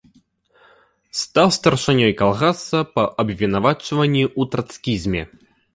Стаў старшынёй калгаса, па абвінавачванні ў трацкізме.